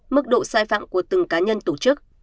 mức độ sai phạm của từng cá nhân tổ chức